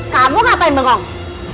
kamu ngapain bengong